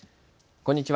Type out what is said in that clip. こんにちは。